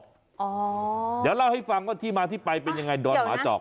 เดี๋ยวเล่าให้ฟังว่าที่มาที่ไปเป็นยังไงดอนหมาจอก